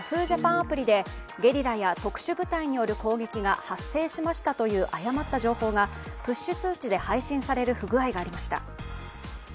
アプリでゲリラや特殊部隊による攻撃が発生しましたという誤った情報がプッシュ通知で配信される不具合がありました。